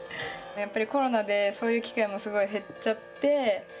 やっぱりコロナでそういう機会もすごい減っちゃって。